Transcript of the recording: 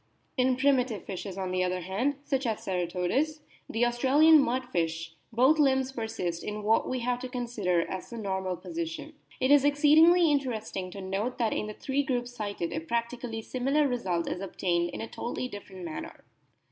In primitive fishes, on the other hand, such as Cera todus, the Australian mudfish, both limbs persist in what we have to consider as the normal position. It is exceedingly interesting to note that in the three groups cited a practically similar result is obtained in a totally different manner.